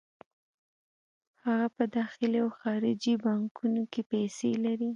هغه په داخلي او خارجي بانکونو کې پیسې لري